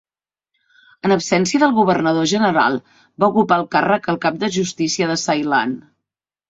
En absència del governador general, va ocupar el càrrec el cap de justícia de Ceilan.